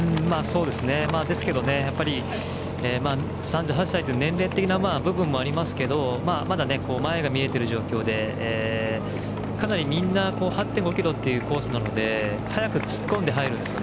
ですけどやっぱり３８歳という年齢的な部分もありますけどまだ前が見えている状況でかなり、みんな８．５ｋｍというコースなので速く突っ込んで入るんですね。